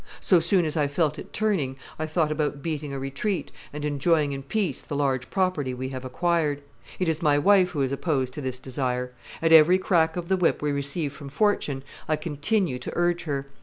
So soon as I felt it turning, I thought about beating a retreat and enjoying in peace the large property we have acquired. It is my wife who is opposed to this desire. At every crack of the whip we receive from Fortune, I continue to urge her.